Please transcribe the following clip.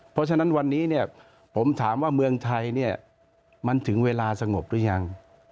เพราะฉะนั้นวันนี้เนี่ยผมถามว่าเมืองไทยเนี่ยมันถึงเวลาสงบหรือยัง